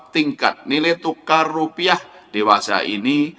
tingkat nilai tukar rupiah dewasa ini